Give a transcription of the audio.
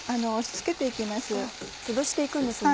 つぶして行くんですね。